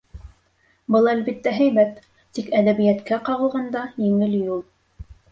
Был, әлбиттә, һәйбәт, тик, әҙәбиәткә ҡағылғанда, еңел юл.